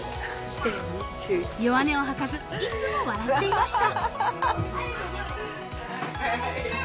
［弱音を吐かずいつも笑っていました］